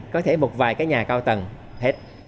có thể một vài cái nhà cao tầng hết